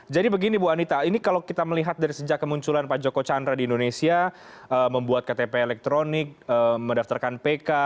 jadi begini bu anita ini kalau kita melihat dari sejak kemunculan pak joko candra di indonesia membuat ktp elektronik mendaftarkan pk